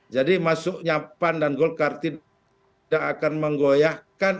jadi masuknya pan dan golkar tidak akan menggoyahkan